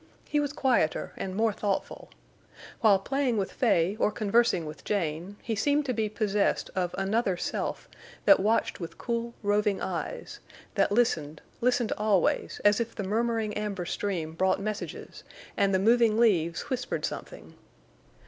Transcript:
He was quieter and more thoughtful. While playing with Fay or conversing with Jane he seemed to be possessed of another self that watched with cool, roving eyes, that listened, listened always as if the murmuring amber stream brought messages, and the moving leaves whispered something.